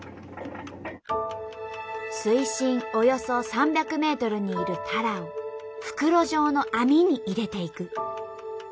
水深およそ３００ｍにいるタラを袋状の網に入れていく。